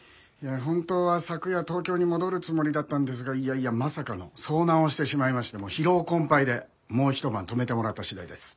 本当は昨夜東京に戻るつもりだったんですがいやいやまさかの遭難をしてしまいまして疲労困憊でもうひと晩泊めてもらった次第です。